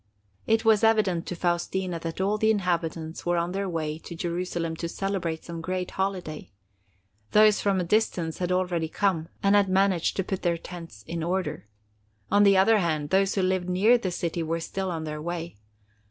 It was evident to Faustina that all the inhabitants were on their way to Jerusalem to celebrate some great holiday. Those from a distance had already come, and had managed to put their tents in order. On the other hand, those who lived near the city were still on their way.